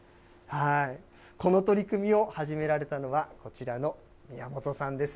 この取り組みを始められたのが、こちらの宮本さんです。